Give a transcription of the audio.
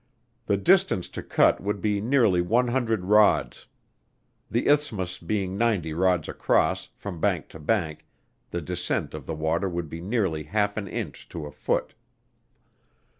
The distance to cut would be nearly one hundred rods. The isthmus being ninety rods across, from bank to bank, the descent of the water would be nearly half an inch to a foot.